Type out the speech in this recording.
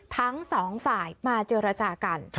ทั้งสองฝ่ายมาเจรจากัน